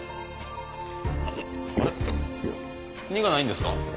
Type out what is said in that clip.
苦ないんですか？